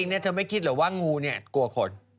ใช่จะไม่คิดเหรอว่ากูเนี่ยกลัวขน